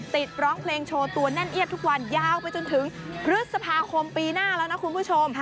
ร้องเพลงโชว์ตัวแน่นเอียดทุกวันยาวไปจนถึงพฤษภาคมปีหน้าแล้วนะคุณผู้ชม